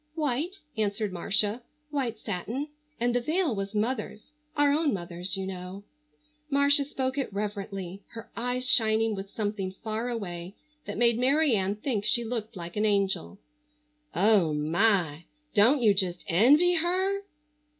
"White," answered Marcia, "white satin. And the veil was mother's—our own mother's, you know." Marcia spoke it reverently, her eyes shining with something far away that made Mary Ann think she looked like an angel. "Oh, my! Don't you just envy her?"